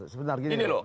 sebenarnya gini loh